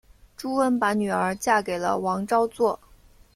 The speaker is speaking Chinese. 朱温把女儿嫁给了王昭祚。